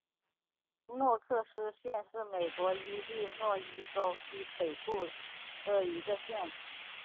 诺克斯县是美国伊利诺伊州西北部的一个县。